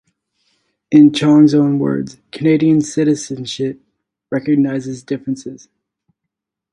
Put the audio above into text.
In Chong's own words, Canadian citizenship recognizes differences.